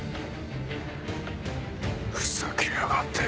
ふざけやがって。